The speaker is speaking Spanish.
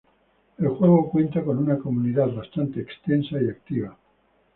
El juego cuenta con una comunidad bastante extensa y activa.